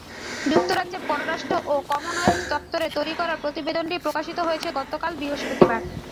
যুক্তরাজ্যের পররাষ্ট্র ও কমনওয়েলথ দপ্তরের তৈরি করা প্রতিবেদনটি প্রকাশিত হয়েছে গতকাল বৃহস্পতিবার।